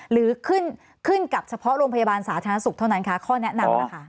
หรือขึ้นกับเฉพาะโรงพยาบาลสาธารณสุขเท่านั้นค่ะข้อแนะนำนะคะ